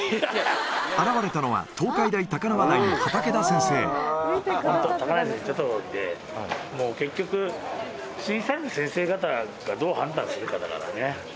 現れたのは、東海大高輪台の高梨先生の言ったとおりで、もう結局、審査員の先生方がどう判断するかだからね。